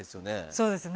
そうですね。